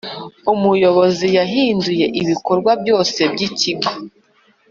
umuyobozi yahinduye ibikorwa byose byikigo.